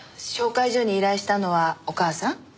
紹介所に依頼したのはお母さん？